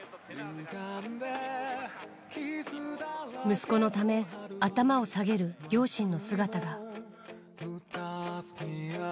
息子のため、頭を下げる両親の姿が。